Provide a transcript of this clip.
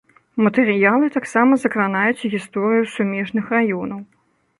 Матэрыялы таксама закранаюць і гісторыю сумежных раёнаў.